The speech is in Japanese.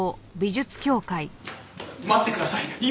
待ってください。